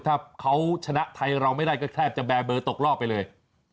ถ้าเขาชนะไทยเราไม่ได้ก็แทบจะแบร์เบอร์ตกรอบไปเลย